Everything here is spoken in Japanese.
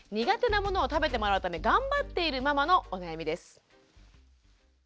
苦手なものを食べてもらうために頑張っているママのお悩みです。